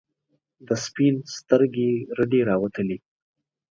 د سپین سترګي رډي راووتلې.